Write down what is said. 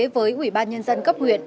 với ủy ban nhân dân cấp huyện